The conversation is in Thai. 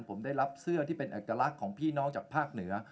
ผมได้รับเสื้อที่เป็นเอกลักษณ์ของพี่น้องจากภาคเหนือ